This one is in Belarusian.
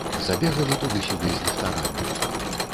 Забегалі туды-сюды з ліхтарамі.